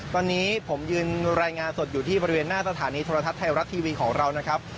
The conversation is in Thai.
ตอนนี้ผมยืนรายงานสดอยู่ที่บริเวณหน้าสถานีโทรทัศน์ไทยรัฐทีวีของเรานะครับ